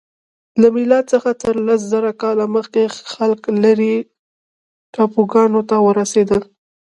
له میلاد څخه تر لس زره کاله مخکې خلک لیرې ټاپوګانو ته ورسیدل.